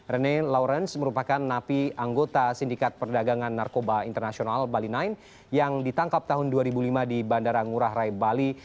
rene lawrence merupakan napi anggota sindikat perdagangan narkoba internasional bali sembilan yang ditangkap tahun dua ribu lima di bandara ngurah rai bali